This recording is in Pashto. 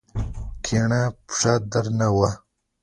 کيڼه پښه درنه وه.